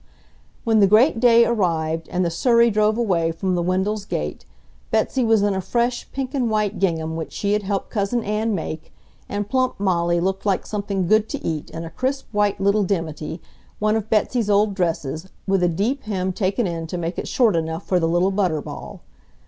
When the great day arrived and the surrey drove away from the Wendells' gate, Betsy was in a fresh pink and white gingham which she had helped Cousin Ann make, and plump Molly looked like something good to eat in a crisp white little dimity, one of Betsy's old dresses, with a deep hem taken in to make it short enough for the little butter ball.